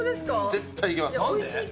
絶対いけます。